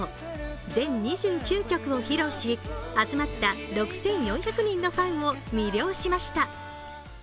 全２９曲を披露し集まった６４００人のファンを魅了しました。